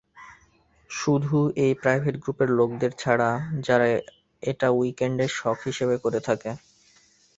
শুধু এই প্রাইভেট গ্রুপের লোকেদের ছাড়া যারা এটা উইকএন্ডের শখ হিসেবে করে থাকে।